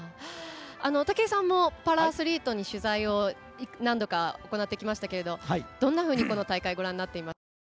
武井さんもパラアスリートに取材を何度か行ってきましたけれどどんなふうにこの大会ご覧になっていますか。